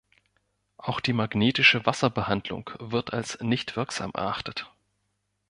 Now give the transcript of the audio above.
Auch die magnetische Wasserbehandlung wird als nicht wirksam erachtet.